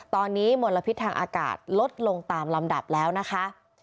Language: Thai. ตอนนี้มลพิษทางอากาศลดลงตามลำดับแล้วนะคะ